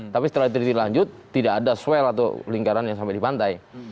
tapi setelah itu dilanjut tidak ada swell atau lingkaran yang sampai di pantai